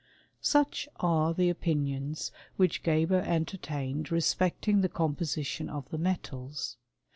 J Such are the opinions which Geber entertained re specting the composition of the metals.